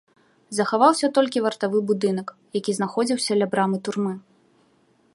Захаваўся толькі вартавы будынак, які знаходзіўся ля брамы турмы.